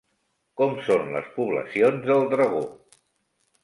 Com són les poblacions del dragó?